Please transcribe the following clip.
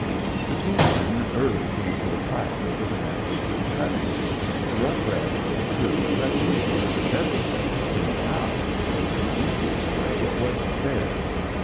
The two men early came to a clash over the methods of cutting. The Rough Red and his crew cut anywhere, everywhere, anyhow. The easiest way was theirs.